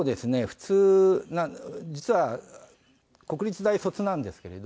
普通実は国立大卒なんですけれど。お父様が？